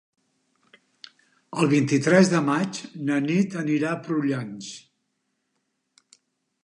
El vint-i-tres de maig na Nit anirà a Prullans.